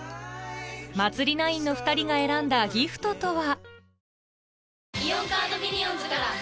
祭ｎｉｎｅ．の２人が選んだギフトとは？